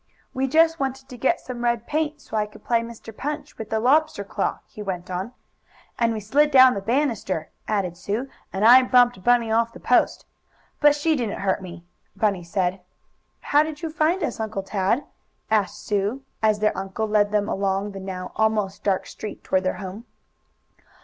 "We just wanted to get some red paint so I could play Mr. Punch with the lobster claw," he went on. "And we slid down the banister," added Sue, "and I bumped Bunny off the post." "But she didn't hurt me," Bunny said. "How did you find us, Uncle Tad?" asked Sue, as their uncle led them along the now almost dark street toward their home.